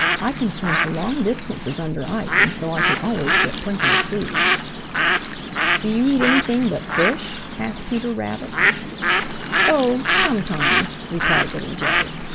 I can swim for long distances under ice and so I can always get plenty of food." "Do you eat anything but fish?" asked Peter Rabbit. "Oh, sometimes," replied Little Joe.